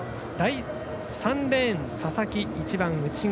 ３レーンに佐々木、一番内側。